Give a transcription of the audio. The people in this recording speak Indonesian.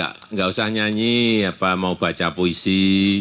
enggak usah nyanyi apa mau baca puisi